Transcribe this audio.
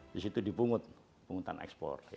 di situ dipungut penghutang ekspor